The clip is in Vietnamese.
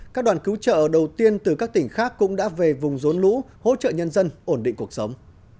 các đoàn cứu trợ đầu tiên từ các tỉnh khác cũng đã về vùng rốn lũ hỗ trợ nhân dân ổn định cuộc sống